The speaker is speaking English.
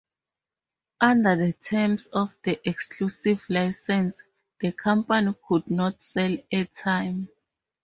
Under the terms of the exclusive licence, the company could not sell air time.